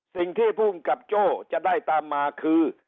สิ่งที่ภูมิกับโจ้จะได้ตามมาคือ